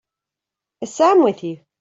Is Sam with you?